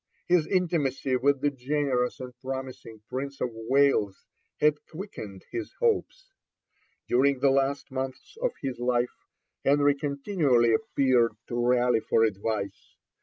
His intimacy with the generous and promising Prince of Wales had quickened his hopes. During the last months of his life, Henry continually appealed to Raleigh for advice.